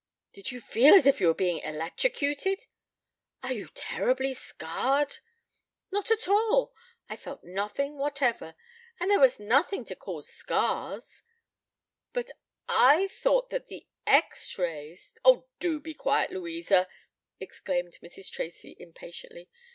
"Did you feel as if you were being electrocuted?" "Are you terribly scarred?" "Not at all. I felt nothing whatever, and there was nothing to cause scars " "But I thought that the X Rays " "Oh, do be quiet, Louisa," exclaimed Mrs. Tracy impatiently.